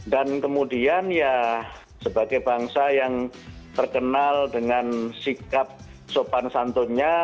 dan kemudian ya sebagai bangsa yang terkenal dengan sikap sopan santunnya